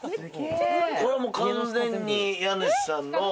これは完全に家主さんの？